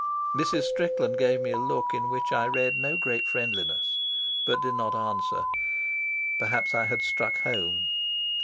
Mrs. Strickland gave me a look in which I read no great friendliness, but did not answer. Perhaps I had struck home.